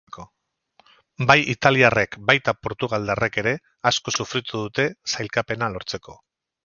Bai italiarrek baita portugaldarrek ere asko sufritu dute sailkapena lortzeko.